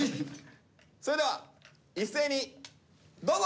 それでは一斉にどうぞ！